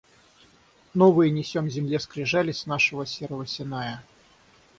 Новые несем земле скрижали с нашего серого Синая.